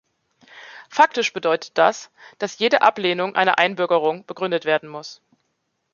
Faktisch bedeutet das, dass jede Ablehnung einer Einbürgerung begründet werden muss.